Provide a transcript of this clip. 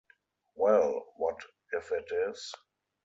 Well, what if it is?